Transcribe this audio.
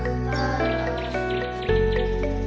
ketika dapur itu berlangsung